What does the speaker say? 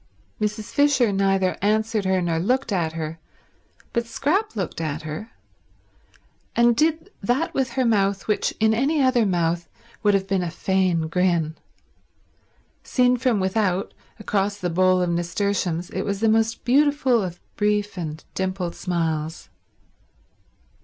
Mrs. Fisher neither answered her nor looked at her; but Scrap looked at her, and did that with her mouth which in any other mouth would have been a faint grin. Seen from without, across the bowl of nasturtiums, it was the most beautiful of brief and dimpled smiles.